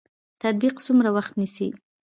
تطبیق څومره وخت نیسي؟